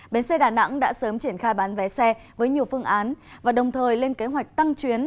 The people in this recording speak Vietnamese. bến xe đà nẵng đã sớm triển khai bán vé xe với nhiều phương án và đồng thời lên kế hoạch tăng chuyến